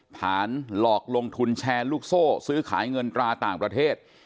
ฐานหลอกลงทุนแชร์ลูกโซ่ซื้อขายเงินตราต่างประเทศ